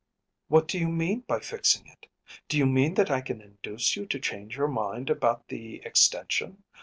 “What do you mean by fixing it? Do you mean that I can induce you to change your mind about the extension?